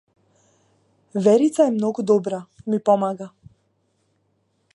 Верица е многу добра ми помага.